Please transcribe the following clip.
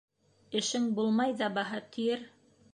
Эшең булмай ҙабаһа, тиер.